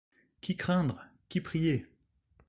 Qui craindre ? qui prier ?